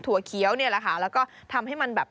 เคี้ยวเนี่ยแหละค่ะแล้วก็ทำให้มันแบบ